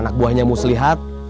anak buahnya muslihat